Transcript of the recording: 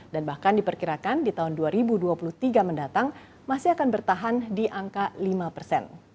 dan bahkan diperkirakan di tahun dua ribu dua puluh tiga mendatang masih akan bertahan di angka lima persen